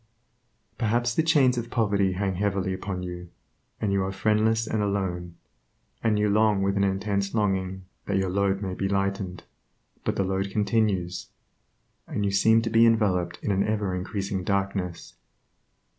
Perhaps the chains of poverty hang heavily upon you, and you are friendless and alone, and you long with an intense longing that your load may be lightened; but the load continues, and you seem to be enveloped in an ever increasing darkness.